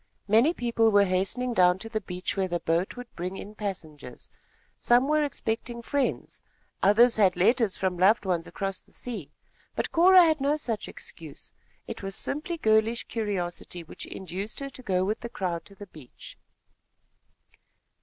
Many people were hastening down to the beach where the boat would bring in passengers. Some were expecting friends. Others had letters from loved ones across the sea; but Cora had no such excuse. It was simply girlish curiosity which induced her to go with the crowd to the beach.